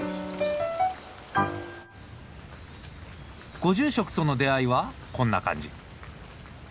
ご住職との出会いはこんな感じ。